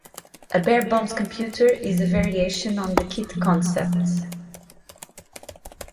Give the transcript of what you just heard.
A barebones computer is a variation on the kit concept.